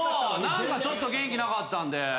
何かちょっと元気なかったんで。